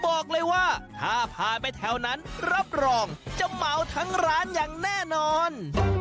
บอกเลยว่าถ้าผ่านไปแถวนั้นรับรองจะเหมาทั้งร้านอย่างแน่นอน